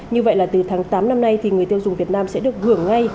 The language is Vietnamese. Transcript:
như vậy là từ tháng tám năm nay thì người tiêu dùng việt nam sẽ được hưởng ngay